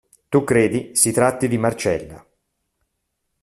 Tu credi si tratti di Marcella.